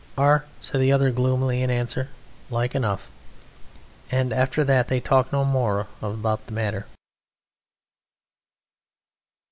"Ar," said the other gloomily in answer, "like enough!" And after that they talked no more about the matter.